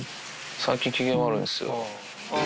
最近、機嫌悪いんですよ。